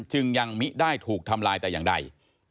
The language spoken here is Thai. จึงยังมิได้ถูกทำลายแต่อย่างใด